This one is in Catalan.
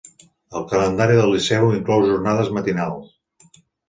El calendari del Liceu inclou jornades matinals.